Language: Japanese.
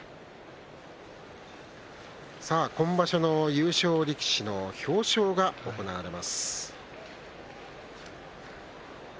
優勝力士の表彰が行われます。